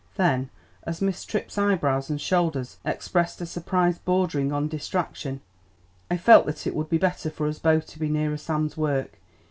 Then as Miss Tripp's eyebrows and shoulders expressed a surprise bordering on distraction, "I felt that it would be better for us both to be nearer Sam's work.